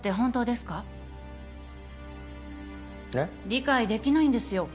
理解できないんですよ